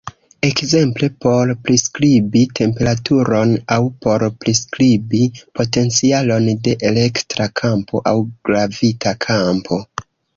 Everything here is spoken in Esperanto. Ekzemple por priskribi temperaturon, aŭ por priskribi potencialon de elektra kampo aŭ gravita kampo.